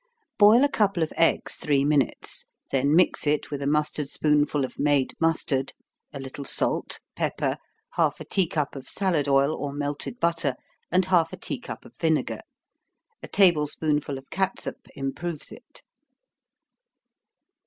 _ Boil a couple of eggs three minutes then mix it with a mustard spoonful of made mustard, a little salt, pepper, half a tea cup of salad oil, or melted butter, and half a tea cup of vinegar. A table spoonful of catsup improves it.